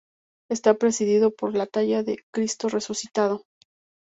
Está presidido por la talla de Cristo Resucitado.